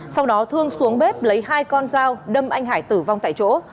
sau đó thương xuống bếp lấy hai con dao đâm anh hải tử vong tại chỗ